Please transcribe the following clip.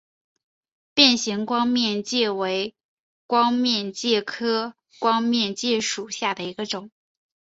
变形光面介为光面介科光面介属下的一个种。